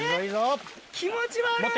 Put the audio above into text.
気持ち悪っ！